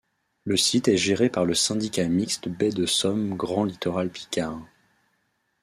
Le site est géré par le syndicat Mixte Baie de Somme Grand Littoral Picard.